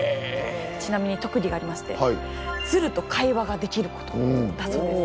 ちなみに特技がありましてツルと会話ができることだそうです。